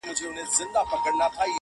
راوړې فریسو یې د تن خاوره له باګرامه,